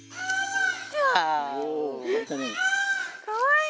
かわいい！